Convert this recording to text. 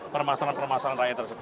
permasalahan permasalahan rakyat tersebut